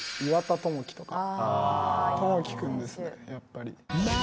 智輝君ですねやっぱり。